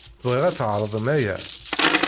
Bɣiɣ ad tɛeṛḍem aya.